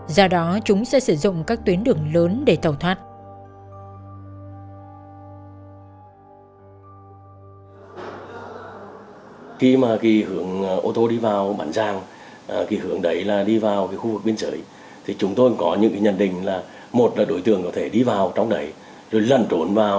do đó chúng sẽ sử dụng các tuyến đường lớn để tàu thoát